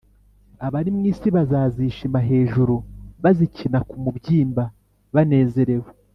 Abari mu isi bazazīshima hejuru bazikina ku mubyimba banezerwe,